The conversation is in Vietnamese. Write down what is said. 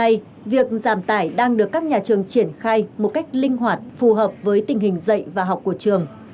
vì vậy việc giảm tải đang được các nhà trường triển khai một cách linh hoạt phù hợp với tình hình dạy và học của trường